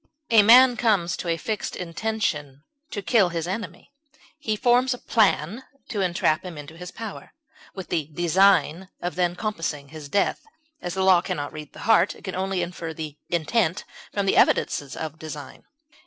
A man comes to a fixed intention to kill his enemy; he forms a plan to entrap him into his power, with the design of then compassing his death; as the law can not read the heart, it can only infer the intent from the evidences of design.